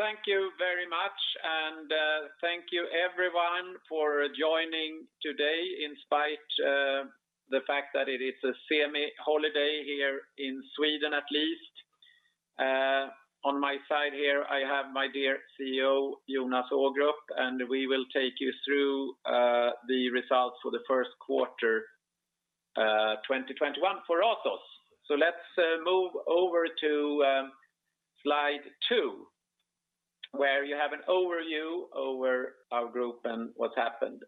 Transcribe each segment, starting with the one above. Thank you very much, thank you everyone for joining today in spite of the fact that it is a semi-holiday here in Sweden, at least. On my side here, I have my dear CEO, Jonas Wiström, we will take you through the results for the first quarter 2021 for Ratos. Let's move over to slide two, where you have an overview over our group and what's happened.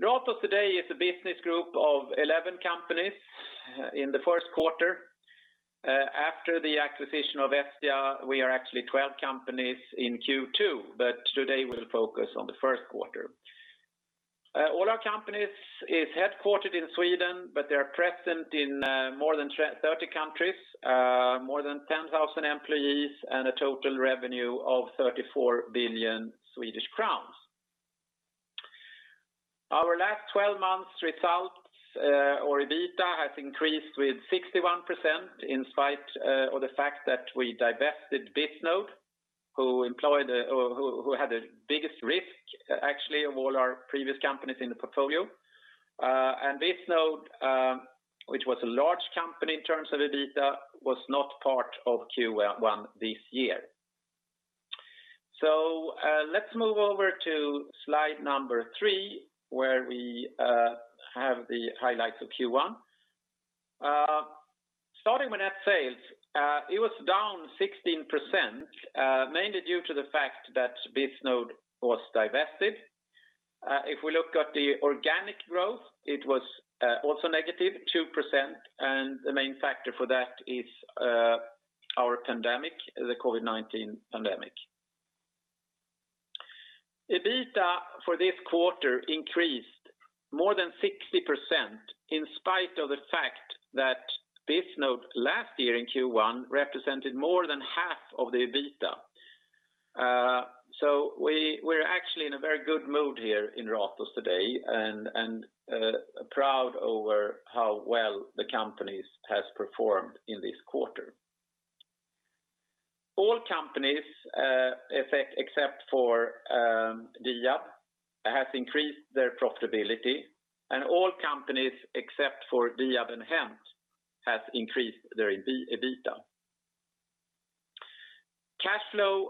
Ratos today is a business group of 11 companies in the first quarter. After the acquisition of Vestia, we are actually 11 companies in Q2. Today we'll focus on the first quarter. All our companies is headquartered in Sweden, but they are present in more than 30 countries, more than 10,000 employees, and a total revenue of 34 billion Swedish crowns. Our last 12 months results or EBITDA has increased with 61%, in spite of the fact that we divested Bisnode, who had the biggest risk, actually, of all our previous companies in the portfolio. Bisnode, which was a large company in terms of EBITDA, was not part of Q1 this year. Let's move over to slide number three, where we have the highlights of Q1. Starting with net sales, it was down 16%, mainly due to the fact that Bisnode was divested. If we look at the organic growth, it was also negative, 2%, and the main factor for that is the COVID-19 pandemic. EBITDA for this quarter increased more than 60%, in spite of the fact that Bisnode last year in Q1 represented more than half of the EBITDA. We're actually in a very good mood here in Ratos today and proud over how well the companies has performed in this quarter. All companies except for Diab have increased their profitability, and all companies except for Diab and HENT have increased their EBITDA. Cash flow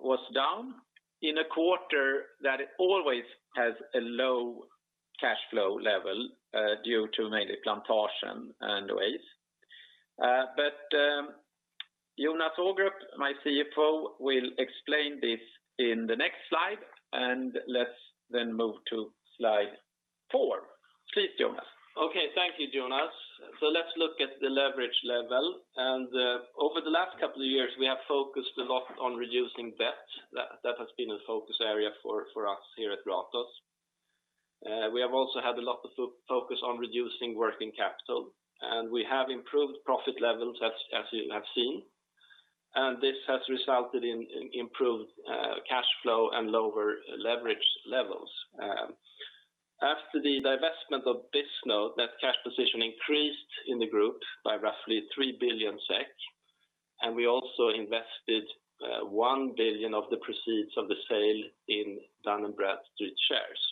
was down in a quarter that always has a low cash flow level due to mainly Plantasjen anyways. Jonas Ågrup, my CFO, will explain this in the next slide, and let's then move to slide four. Please, Jonas. Okay. Thank you, Jonas. Let's look at the leverage level. Over the last couple of years, we have focused a lot on reducing debt. That has been a focus area for us here at Ratos. We have also had a lot of focus on reducing working capital, and we have improved profit levels as you have seen. This has resulted in improved cash flow and lower leverage levels. After the divestment of Bisnode, net cash position increased in the group by roughly 3 billion SEK, and we also invested 1 billion of the proceeds of the sale in Dun & Bradstreet shares.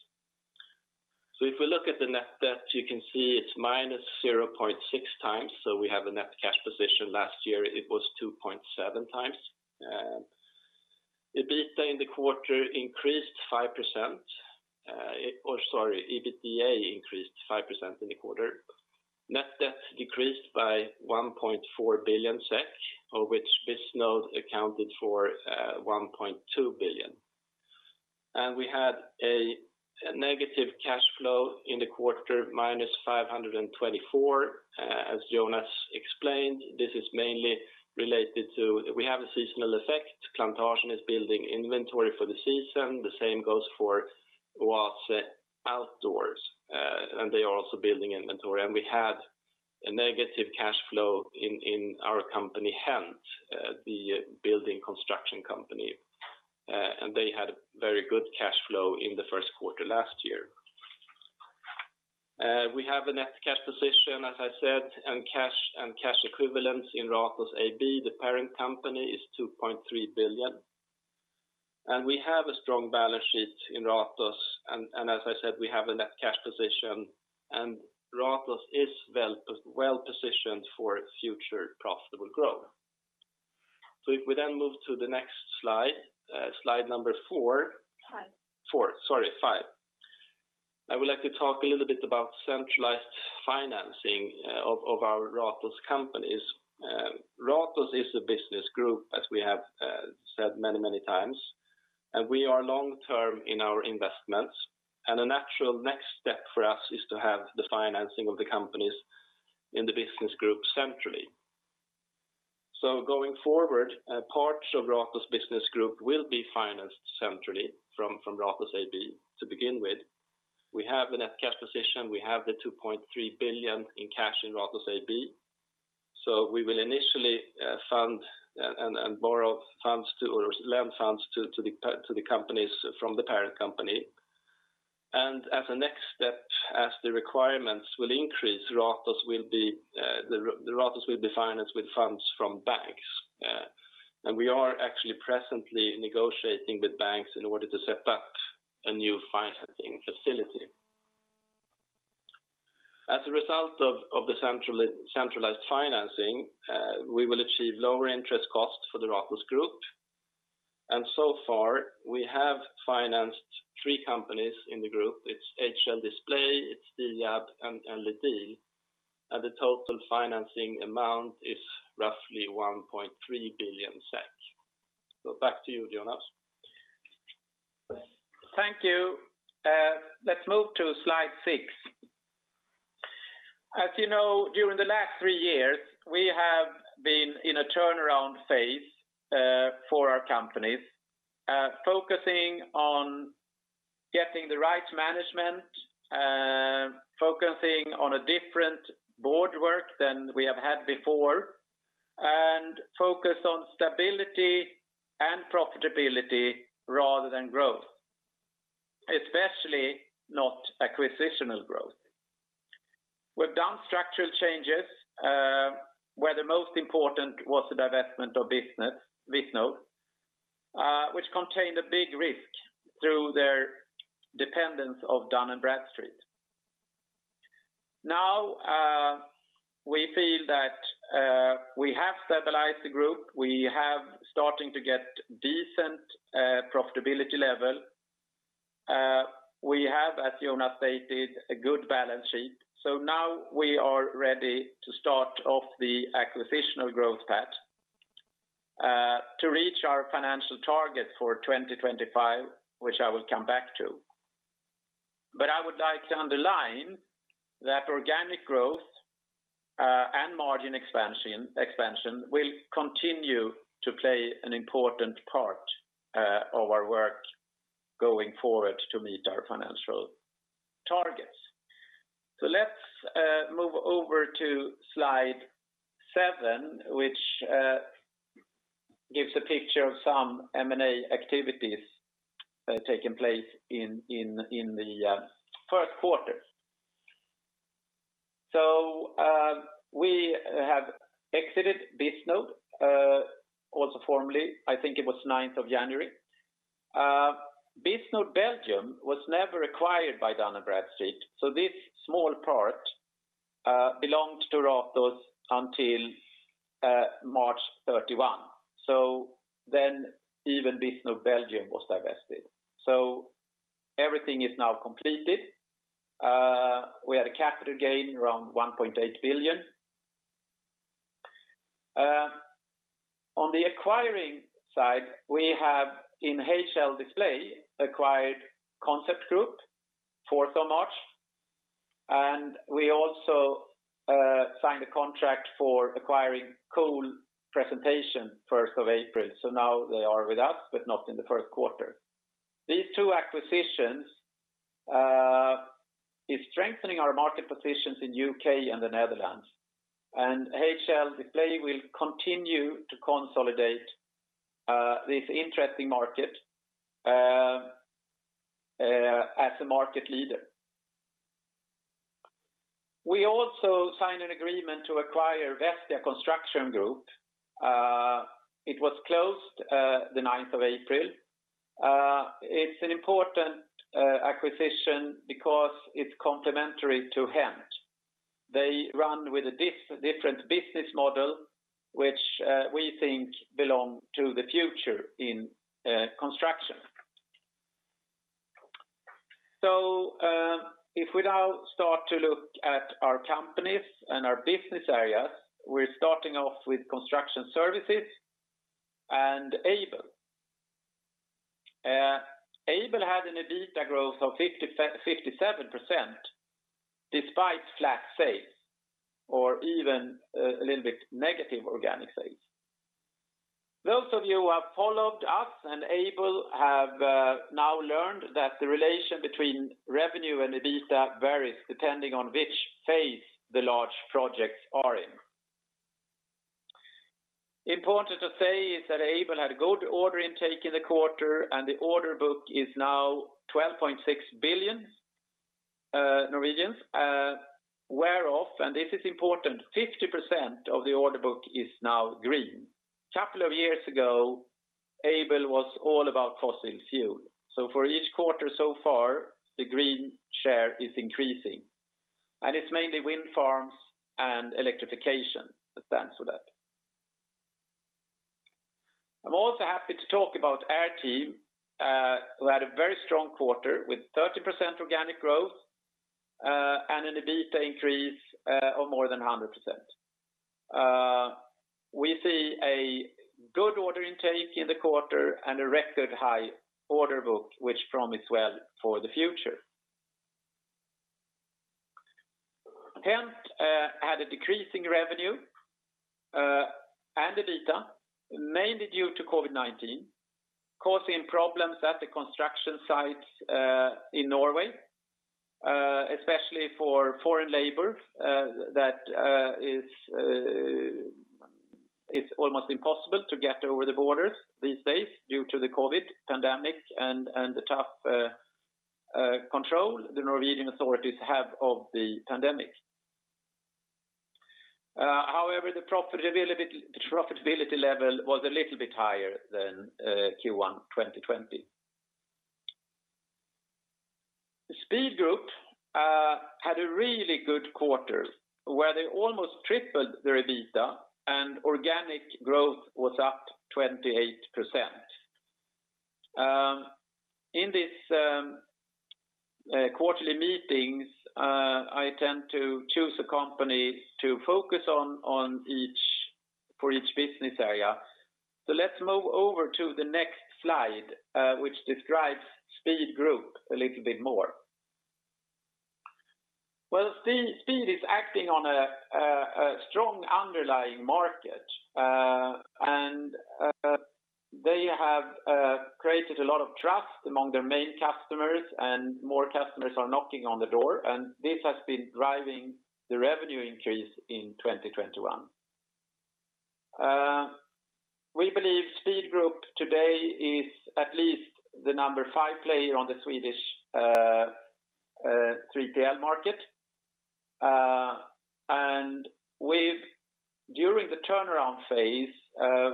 If we look at the net debt, you can see it's minus 0.6 times. We have a net cash position. Last year it was 2.7 times. EBITDA in the quarter increased 5%, or sorry, EBITDA increased 5% in the quarter. Net debt decreased by 1.4 billion SEK, of which Bisnode accounted for 1.2 billion. We had a negative cash flow in the quarter, -524 million. As Jonas explained, this is mainly related to we have a seasonal effect. Plantasjen is building inventory for the season. The same goes for Oase Outdoor Goods. They are also building inventory. We had a negative cash flow in our company, HENT, the building construction company, and they had very good cash flow in the first quarter last year. We have a net cash position, as I said, cash equivalents in Ratos AB, the parent company, is 2.3 billion. We have a strong balance sheet in Ratos. As I said, we have a net cash position and Ratos is well-positioned for future profitable growth. If we move to the next slide number four. Five. Four. Sorry, five. I would like to talk a little bit about centralized financing of our Ratos companies. Ratos is a business group, as we have said many times, and we are long-term in our investments, and a natural next step for us is to have the financing of the companies in the business group centrally. Going forward, parts of Ratos business group will be financed centrally from Ratos AB to begin with. We have a net cash position. We have the 2.3 billion in cash in Ratos AB. We will initially fund and borrow funds to, or lend funds to the companies from the parent company. As a next step, as the requirements will increase, Ratos will be financed with funds from banks. We are actually presently negotiating with banks in order to set up a new financing facility. As a result of the centralized financing, we will achieve lower interest costs for the Ratos Group. So far, we have financed three companies in the group. It's HL Display, Diab, and LEDiL, and the total financing amount is roughly 1.3 billion SEK. Back to you, Jonas. Thank you. Let's move to slide six. As you know, during the last three years, we have been in a turnaround phase for our companies, focusing on getting the right management, focusing on a different board work than we have had before, and focused on stability and profitability rather than growth, especially not acquisitional growth. We've done structural changes, where the most important was the divestment of Bisnode which contained a big risk through their dependence of Dun & Bradstreet. Now, we feel that we have stabilized the group. We have starting to get decent profitability level. We have, as Jonas stated, a good balance sheet. Now we are ready to start off the acquisitional growth path to reach our financial target for 2025, which I will come back to. I would like to underline that organic growth and margin expansion will continue to play an important part of our work going forward to meet our financial targets. Let's move over to slide seven, which gives a picture of some M&A activities taking place in the first quarter. We have exited Bisnode also formerly, I think it was 9th of January. Bisnode Belgium was never acquired by Dun & Bradstreet, this small part belonged to Ratos until March 31. Then even Bisnode Belgium was divested. Everything is now completed. We had a capital gain around 1.8 billion. On the acquiring side, we have, in HL Display, acquired Concept Group 4th of March, and we also signed a contract for acquiring CoolPresentation 1st of April. Now they are with us, but not in the first quarter. These two acquisitions is strengthening our market positions in U.K. and the Netherlands. HL Display will continue to consolidate this interesting market as a market leader. We also signed an agreement to acquire Vestia Construction Group. It was closed the 9th of April. It's an important acquisition because it's complementary to HENT. They run with a different business model, which we think belong to the future in construction. If we now start to look at our companies and our business areas, we're starting off with construction services and Aibel. Aibel had an EBITDA growth of 57% despite flat sales or even a little bit negative organic sales. Those of you who have followed us and Aibel have now learned that the relation between revenue and EBITDA varies depending on which phase the large projects are in. Important to say is that Aibel had a good order intake in the quarter, and the order book is now 12.6 billion, whereof, and this is important, 50% of the order book is now green. Couple of years ago, Aibel was all about fossil fuel. For each quarter so far, the green share is increasing, and it's mainly wind farms and electrification that stands for that. I'm also happy to talk about airteam who had a very strong quarter with 30% organic growth, and an EBITDA increase of more than 100%. We see a good order intake in the quarter and a record high order book, which promise well for the future. HENT had a decrease in revenue and EBITDA, mainly due to COVID-19 causing problems at the construction sites in Norway especially for foreign labor. It's almost impossible to get over the borders these days due to the COVID pandemic and the tough control the Norwegian authorities have of the pandemic. The profitability level was a little bit higher than Q1 2020. Speed Group had a really good quarter where they almost tripled their EBITDA and organic growth was up 28%. In these quarterly meetings, I tend to choose a company to focus on for each business area. Let's move over to the next slide which describes Speed Group a little bit more. Well, Speed is acting on a strong underlying market. They have created a lot of trust among their main customers and more customers are knocking on the door. This has been driving the revenue increase in 2021. We believe Speed Group today is at least the number five player on the Swedish 3PL market. During the turnaround phase,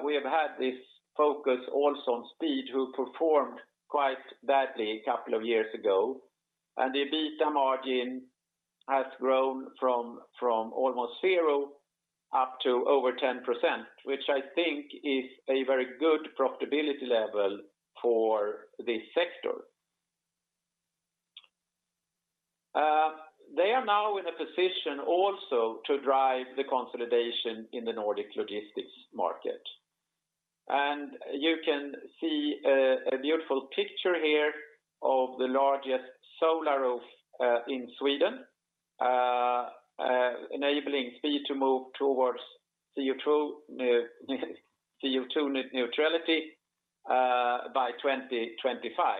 we have had this focus also on Speed, who performed quite badly a couple of years ago, and the EBITDA margin has grown from almost zero up to over 10%, which I think is a very good profitability level for this sector. They are now in a position also to drive the consolidation in the Nordic logistics market. You can see a beautiful picture here of the largest solar roof in Sweden enabling Speed to move towards CO2 neutrality by 2025.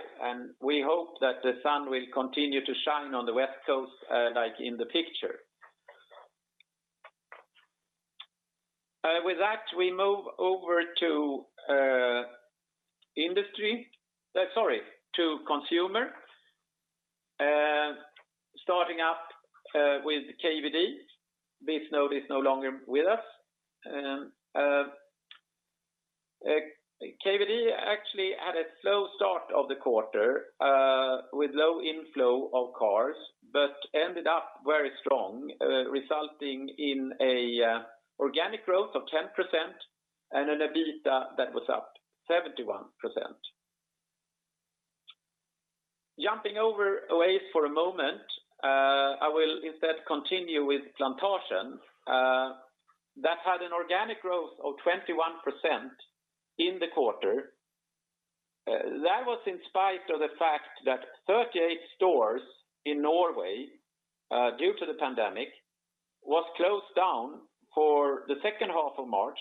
We hope that the sun will continue to shine on the West Coast like in the picture. With that, we move over to consumer, starting up with KVD. Bisnode is no longer with us. KVD actually had a slow start of the quarter with low inflow of cars, but ended up very strong resulting in organic growth of 10% and an EBITDA that was up 71%. Jumping over Oase for a moment, I will instead continue with Plantasjen that had an organic growth of 21% in the quarter. That was in spite of the fact that 38 stores in Norway, due to the pandemic, was closed down for the second half of March.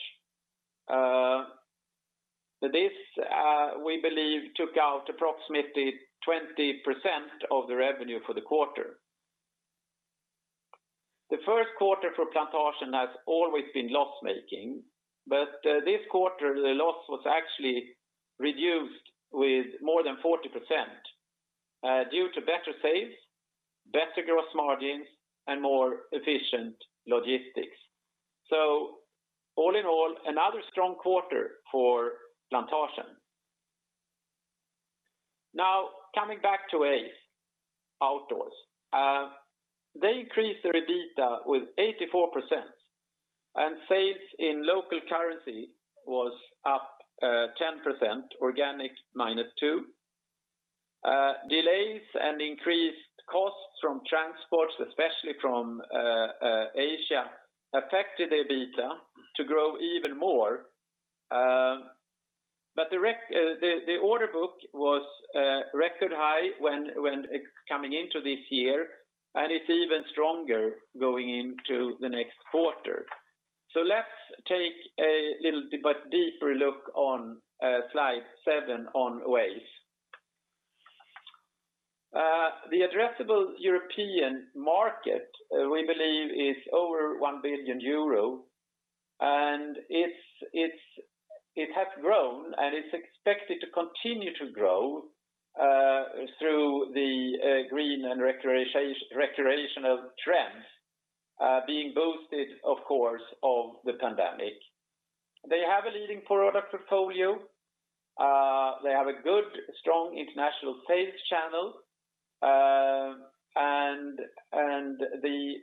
This, we believe took out approximately 20% of the revenue for the quarter. The first quarter for Plantasjen has always been loss-making, but this quarter, the loss was actually reduced with more than 40% due to better sales, better gross margins, and more efficient logistics. All in all, another strong quarter for Plantasjen. Now coming back to Oase Outdoors. They increased their EBITDA with 84%, and sales in local currency was up 10%, organic -2%. Delays and increased costs from transports, especially from Asia, affected their EBITDA to grow even more. The order book was record high when coming into this year, and it's even stronger going into the next quarter. Let's take a little bit deeper look on slide seven on Oase. The addressable European market, we believe, is over 1 billion euro and it has grown and it's expected to continue to grow through the green and recreational trends being boosted, of course, of the pandemic. They have a leading product portfolio. They have a good, strong international sales channel. The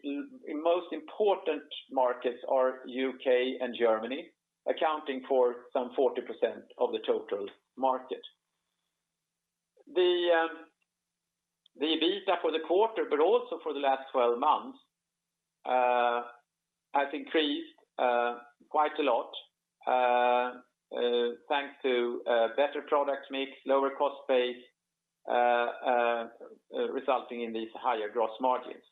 most important markets are U.K. and Germany, accounting for some 40% of the total market. The EBITDA for the quarter, but also for the last 12 months has increased quite a lot thanks to better product mix, lower cost base, resulting in these higher gross margins.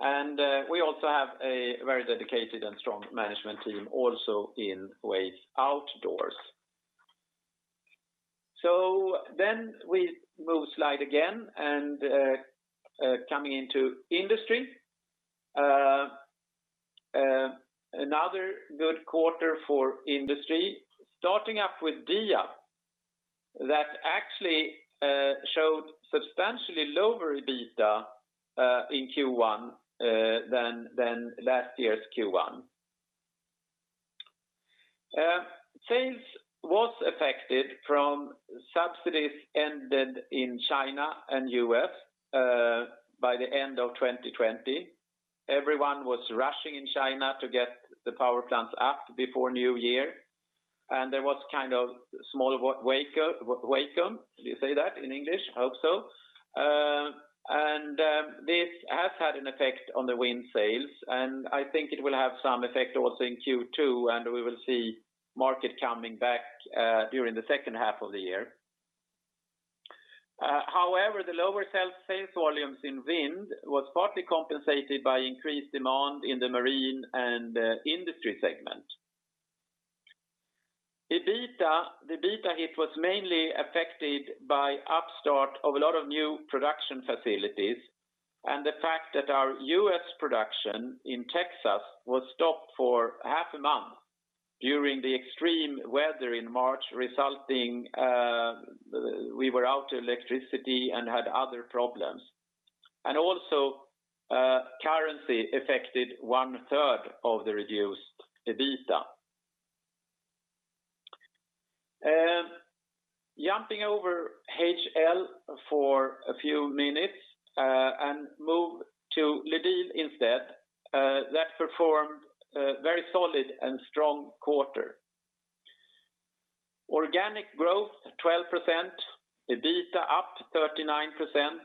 We also have a very dedicated and strong management team also in Oase Outdoors. We move slide again and coming into industry. Another good quarter for industry, starting up with Diab that actually showed substantially lower EBITDA in Q1 than last year's Q1. Sales was affected from subsidies ended in China and U.S. by the end of 2020. Everyone was rushing in China to get the power plants up before New Year, there was kind of small wake-up. Do you say that in English? Hope so. This has had an effect on the wind sales, and I think it will have some effect also in Q2, and we will see market coming back during the second half of the year. However, the lower sales volumes in wind was partly compensated by increased demand in the marine and industry segment. The EBITDA hit was mainly affected by upstart of a lot of new production facilities and the fact that our U.S. production in Texas was stopped for half a month during the extreme weather in March, resulting we were out electricity and had other problems. Also currency affected one third of the reduced EBITDA. Jumping over HL for a few minutes, and move to LEDiL instead. That performed a very solid and strong quarter. Organic growth 12%, EBITDA up 39%.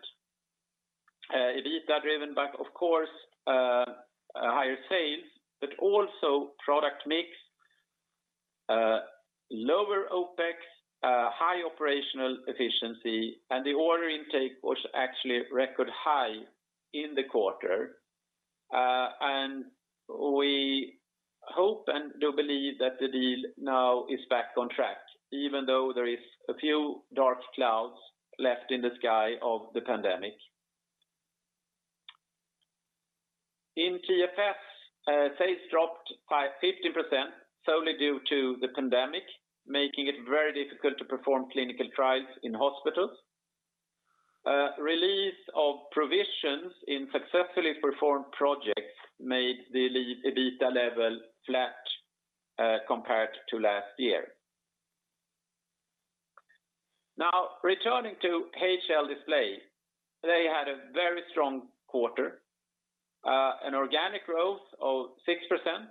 EBITDA driven back, of course, higher sales, but also product mix, lower OpEx, high operational efficiency, and the order intake was actually record high in the quarter. We hope and do believe that the Diab now is back on track, even though there is a few dark clouds left in the sky of the pandemic. In TFS, sales dropped by 50%, solely due to the pandemic, making it very difficult to perform clinical trials in hospitals. Release of provisions in successfully performed projects made the EBITDA level flat compared to last year. Now returning to HL Display. They had a very strong quarter, an organic growth of 6%,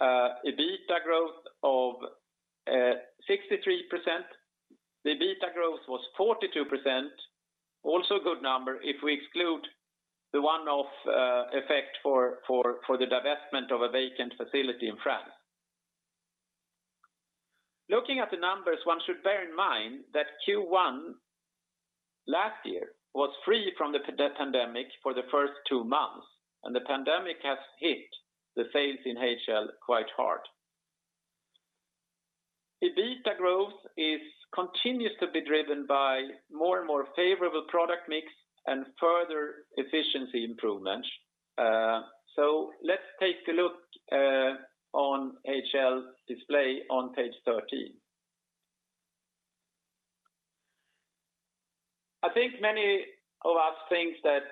EBITDA growth of 63%. The EBITDA growth was 42%, also a good number if we exclude the one-off effect for the divestment of a vacant facility in France. Looking at the numbers, one should bear in mind that Q1 last year was free from the pandemic for the first two months, and the pandemic has hit the sales in HL quite hard. EBITDA growth continues to be driven by more and more favorable product mix and further efficiency improvements. Let's take a look on HL Display on page 13. I think many of us think that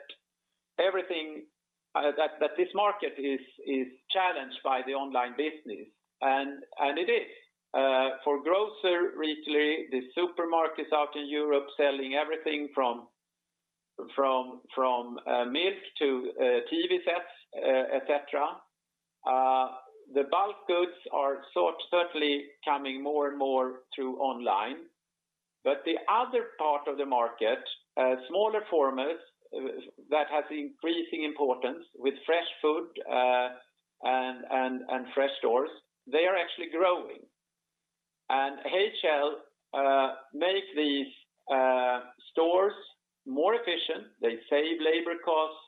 this market is challenged by the online business. It is. For grocer retail, the supermarkets out in Europe selling everything from milk to TV sets, et cetera. The bulk goods are certainly coming more and more through online. The other part of the market, smaller formats that has increasing importance with fresh food, and fresh stores, they are actually growing. HL make these stores more efficient. They save labor costs,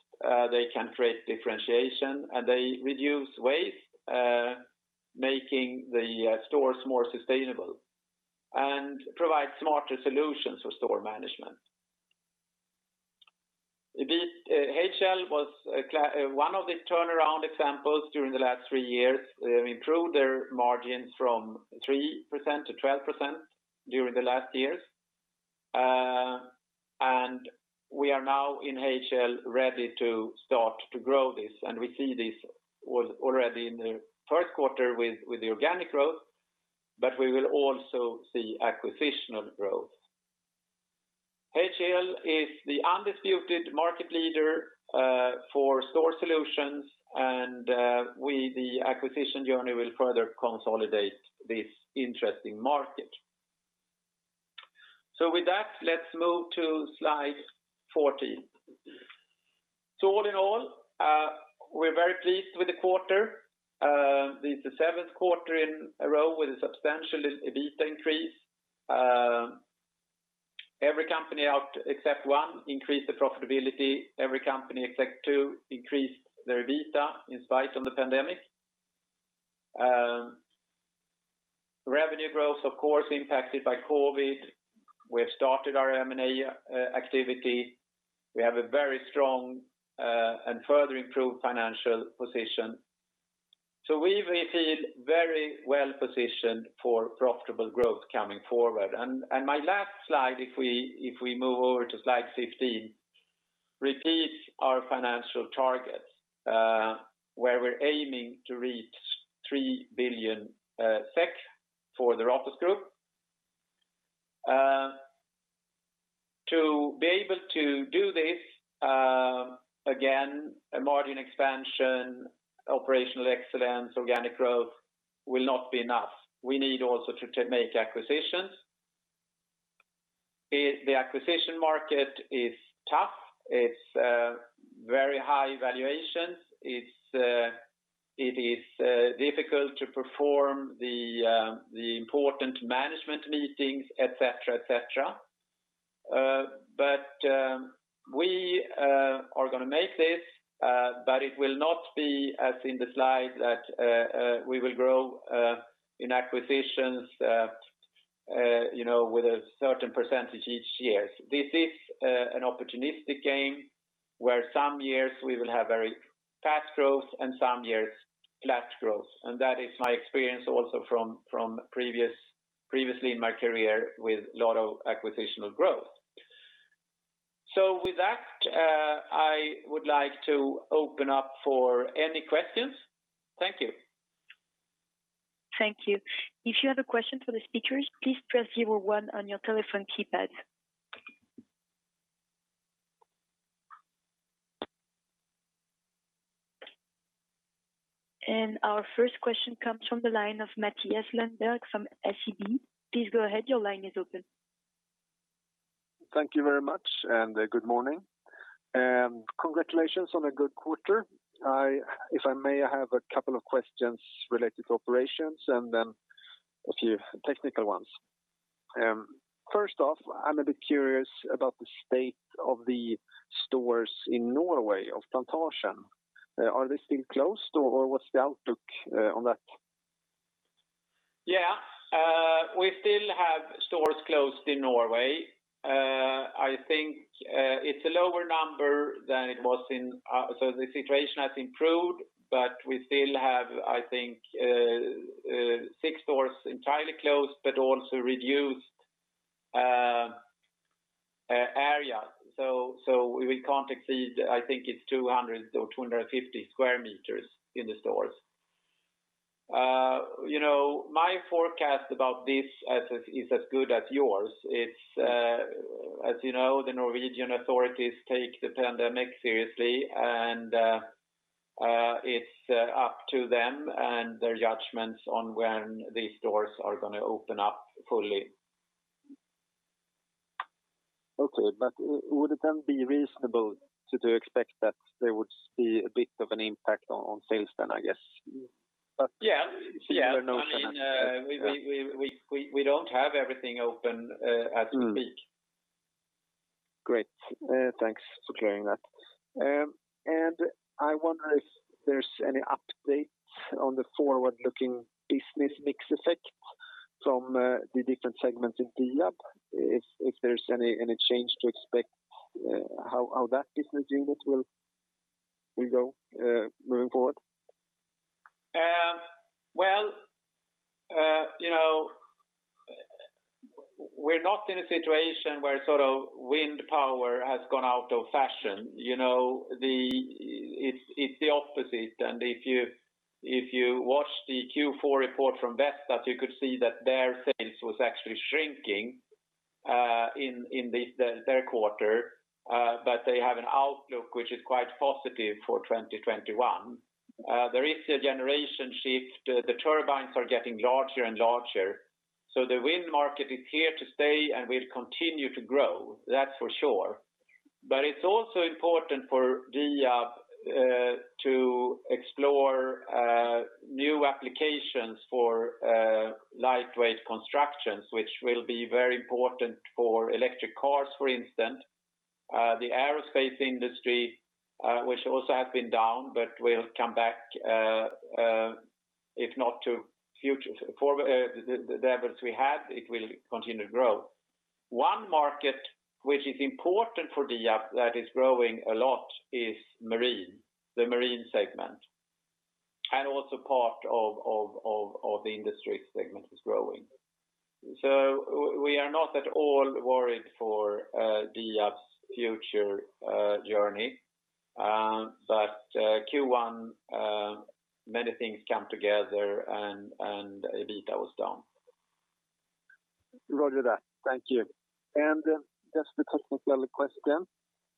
they can create differentiation, and they reduce waste, making the stores more sustainable and provide smarter solutions for store management. HL was one of the turnaround examples during the last three years. They have improved their margins from 3% to 12% during the last years. We are now in HL ready to start to grow this, we see this was already in the first quarter with the organic growth, we will also see acquisitional growth. HL is the undisputed market leader for store solutions, the acquisition journey will further consolidate this interesting market. With that, let's move to slide 14. All in all, we're very pleased with the quarter. This is the seventh quarter in a row with a substantial EBITDA increase. Every company out except one increased the profitability. Every company except two increased their EBITDA in spite of the pandemic. Revenue growth, of course, impacted by COVID-19. We have started our M&A activity. We have a very strong and further improved financial position. We feel very well positioned for profitable growth coming forward. My last slide, if we move over to slide 15, repeats our financial targets, where we are aiming to reach 3 billion SEK for the Ratos Group. To be able to do this, again, a margin expansion, operational excellence, organic growth will not be enough. We need also to make acquisitions. The acquisition market is tough. It is very high valuations. It is difficult to perform the important management meetings, et cetera. We are going to make this, but it will not be as in the slide that we will grow in acquisitions with a certain percentage each year. This is an opportunistic game, where some years we will have very fast growth and some years flat growth. That is my experience also from previously in my career with lot of acquisitional growth. With that, I would like to open up for any questions. Thank you. Thank you. If you have a question for the speakers, please press zero one on your telephone keypad. Our first question comes from the line of Mathias Lundberg from SEB. Please go ahead. Your line is open. Thank you very much, and good morning. Congratulations on a good quarter. If I may, I have a couple of questions related to operations and then a few technical ones. First off, I'm a bit curious about the state of the stores in Norway of Plantasjen. Are they still closed, or what's the outlook on that? Yeah. We still have stores closed in Norway. I think it's a lower number than it was in. The situation has improved, but we still have, I think, six stores entirely closed but also reduced areas. We can't exceed, I think it's 200 or 250 sq m in the stores. My forecast about this is as good as yours. As you know, the Norwegian authorities take the pandemic seriously, and it's up to them and their judgments on when these stores are going to open up fully. Okay. Would it then be reasonable to expect that there would be a bit of an impact on sales then, I guess? Yeah. You never know. We don't have everything open as we speak. Great. Thanks for clearing that. I wonder if there's any updates on the forward-looking business mix effect from the different segments in Diab, if there's any change to expect how that business unit will go moving forward? Well, we're not in a situation where wind power has gone out of fashion. It's the opposite. If you watch the Q4 report from Vestas, you could see that their sales was actually shrinking in their quarter. They have an outlook which is quite positive for 2021. There is a generation shift. The turbines are getting larger and larger. The wind market is here to stay, and will continue to grow, that's for sure. It's also important for Diab to explore new applications for lightweight constructions, which will be very important for electric cars, for instance, the aerospace industry, which also has been down but will come back, if not to the levels we had, it will continue to grow. One market which is important for Diab that is growing a lot is marine, the marine segment, and also part of the industry segment is growing. We are not at all worried for Diab's future journey. Q1 many things come together and EBITDA was down. Roger that. Thank you. Just a technical question.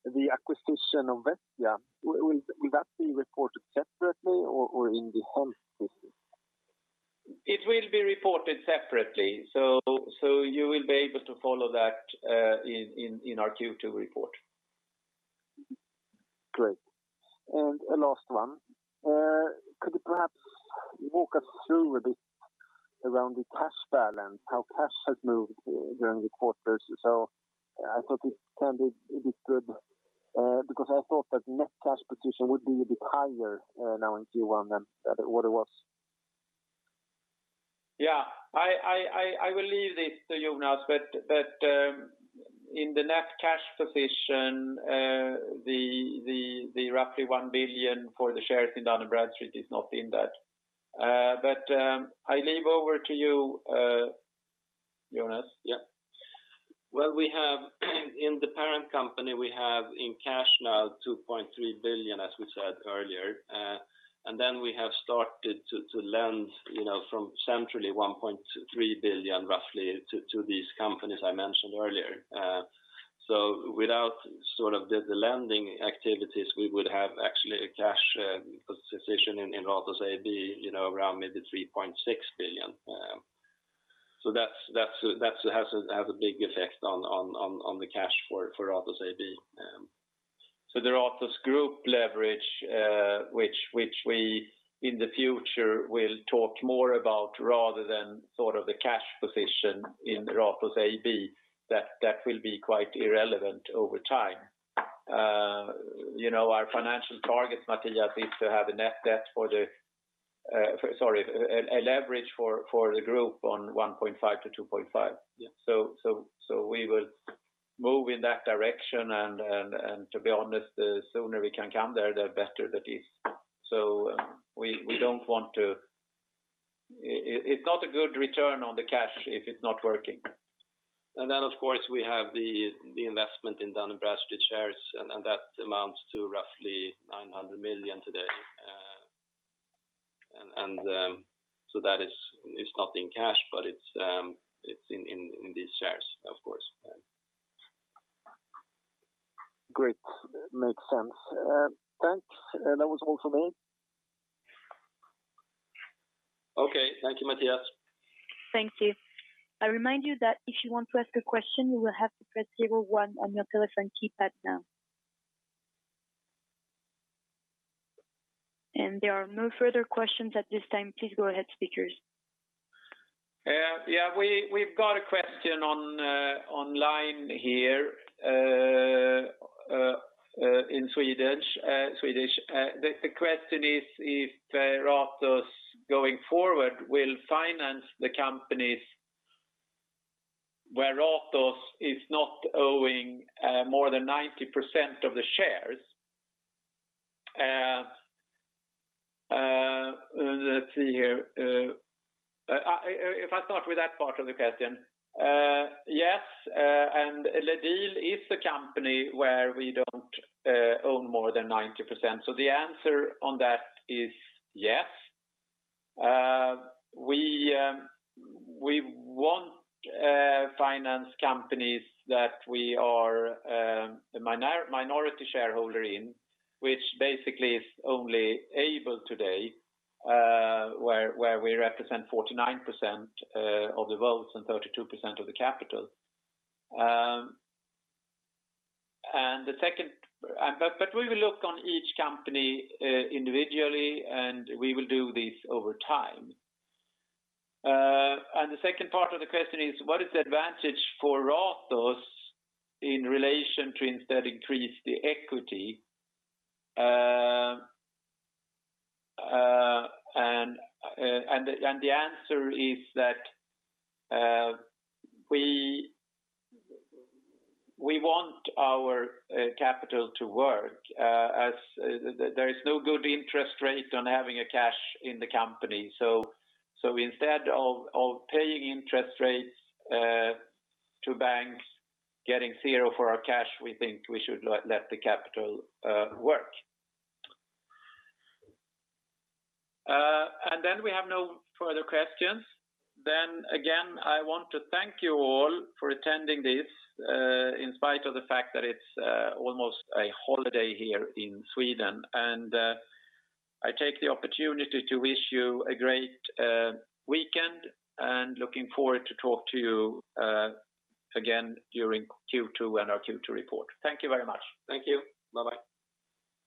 The acquisition of Vestia, will that be reported separately or in the whole system? It will be reported separately. You will be able to follow that in our Q2 report. Great. A last one. Could you perhaps walk us through a bit around the cash balance, how cash has moved during the quarters? I thought it sounded a bit good because I thought that net cash position would be a bit higher now in Q1 than what it was. Yeah. I will leave this to Jonas, but in the net cash position, the roughly 1 billion for the shares in Dun & Bradstreet is not in that. I leave over to you, Jonas. Yeah. In the parent company, we have in cash now 2.3 billion, as we said earlier. We have started to lend from centrally 1.3 billion roughly to these companies I mentioned earlier. Without the lending activities, we would have actually a cash position in Ratos AB around maybe 3.6 billion. That has a big effect on the cash flow for Ratos AB. The Ratos group leverage, which we in the future will talk more about rather than the cash position in Ratos AB, that will be quite irrelevant over time. Our financial targets, Mathias, is to have a net debt for the a leverage for the group on 1.5-2.5. Yeah. We will move in that direction, and to be honest, the sooner we can come there, the better that is. It's not a good return on the cash if it's not working. Then, of course, we have the investment in Dun & Bradstreet shares, and that amounts to roughly 900 million today. That is not in cash, but it's in these shares, of course. Great. Makes sense. Thanks. That was all for me. Okay. Thank you, Mathias. Thank you. I remind you that if you want to ask a question, you will have to press zero one on your telephone keypad now. There are no further questions at this time. Please go ahead, speakers. Yeah. We've got a question online here in Swedish. The question is if Ratos going forward will finance the companies where Ratos is not owing more than 90% of the shares. Let's see here. If I start with that part of the question. Yes, LEDiL is a company where we don't own more than 90%. The answer on that is yes. We will finance companies that we are a minority shareholder in, which basically is only Aibel today where we represent 49% of the votes and 32% of the capital. We will look on each company individually, and we will do this over time. The second part of the question is what is the advantage for Ratos in relation to instead increase the equity? The answer is that we want our capital to work as there is no good interest rate on having a cash in the company. Instead of paying interest rates to banks, getting zero for our cash, we think we should let the capital work. We have no further questions. Again, I want to thank you all for attending this in spite of the fact that it's almost a holiday here in Sweden. I take the opportunity to wish you a great weekend, and looking forward to talk to you again during Q2 and our Q2 report. Thank you very much. Thank you. Bye-bye.